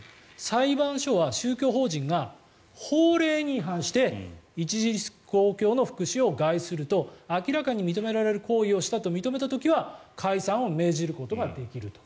裁判所は宗教法人が法令に違反して著しく公共の福祉を害すると明らかに認められる行為をしたと認めた時は解散を命ずることができると。